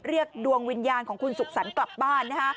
เรียกดวงวิญญาณของชุมสุขสั้นกลับบ้าน